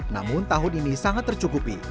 namun tahun ini sangat tercukupi